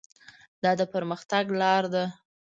دا د پرمختګ لاره ده.